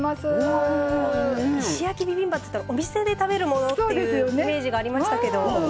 石焼きビビンバっていったらお店で食べるイメージがありましたけど。